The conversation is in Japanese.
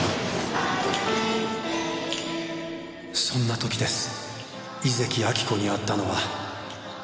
「そんな時です井関亜木子に会ったのは」